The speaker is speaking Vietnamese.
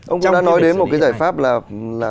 ông trang đã nói đến một cái giải pháp là